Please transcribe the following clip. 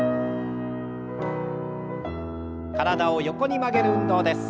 体を横に曲げる運動です。